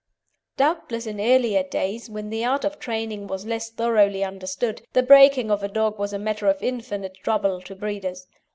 Doubtless in earlier days, when the art of training was less thoroughly understood, the breaking of a dog was a matter of infinite trouble to breeders.